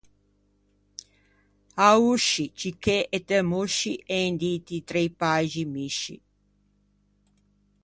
Aosci, Cichê e Temosci en diti i trei paixi misci.